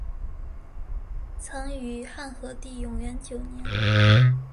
曾于汉和帝永元九年。